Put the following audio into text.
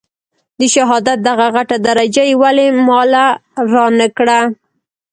د شهادت دغه غټه درجه يې ولې ما له رانه کړه.